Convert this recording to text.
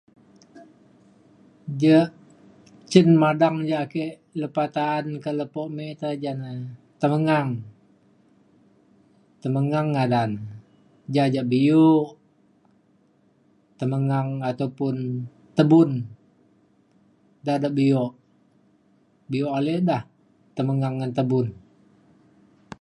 je cin madang ja ake lepa ta’an ke lepo me te ja na temengang. temengan ngadan ja jak bio temengang ataupun tebun da dak bio. bio ale da temengang ngan tebun.